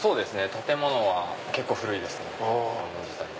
建物は結構古いですね。